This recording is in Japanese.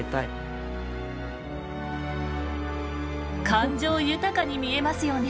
感情豊かに見えますよね。